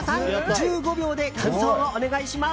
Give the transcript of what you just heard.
１５秒で感想をお願いします。